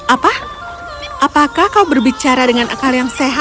apa apakah kau berbicara dengan akal yang sehat